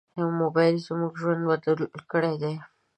موبایل زموږ ژوند بدل کړی دی.